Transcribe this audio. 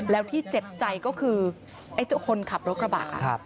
แล้วที่เจ็บใจก็คือไอ้เจ้าคนขับรถกระบะ